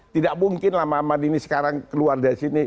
tidak mungkinlah mama madini sekarang keluar dari sini